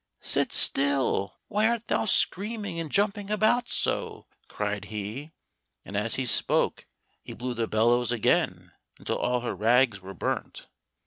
"Sit still; why art thou screaming and jumping about so?" cried he, and as he spoke he blew the bellows again until all her rags were burnt.